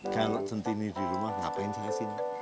kalau centini di rumah ngapain saya sini